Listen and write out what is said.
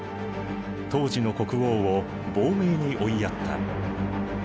当時の国王を亡命に追いやった。